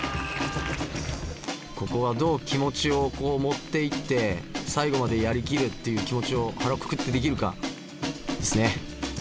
ここはどう気持ちを持っていって最後までやりきるっていう気持ちを腹くくってできるかですね。